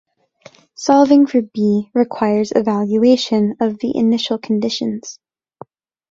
Solving for B requires evaluation of the initial conditions.